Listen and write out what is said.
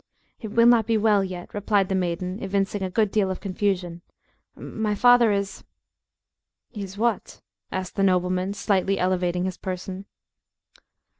"It will not be well yet," replied the maiden, evincing a good deal of confusion. "My father is" "Is what?" asked the nobleman, slightly elevating his person.